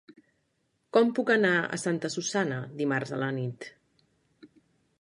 Com puc anar a Santa Susanna dimarts a la nit?